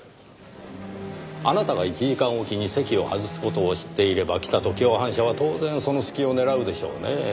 あなたが１時間おきに席を外す事を知っていれば北と共犯者は当然その隙を狙うでしょうねぇ。